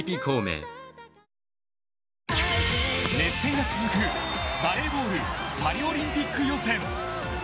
熱戦が続くバレーボールパリオリンピック予選。